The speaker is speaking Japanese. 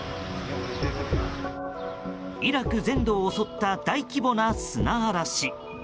イラク全土を襲った大規模な砂嵐。